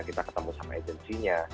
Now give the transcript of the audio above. kita ketemu sama agensinya